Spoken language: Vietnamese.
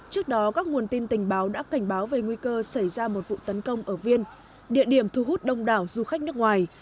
trước đó các nguồn tin tình báo đã cảnh báo về nguy cơ xảy ra một vụ tấn công ở viên địa điểm thu hút đông đảo du khách nước ngoài